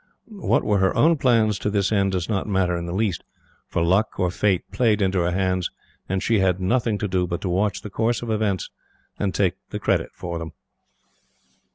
What were her own plans to this end, does not matter in the least, for Luck or Fate played into her hands, and she had nothing to do but to watch the course of events and take the credit of them.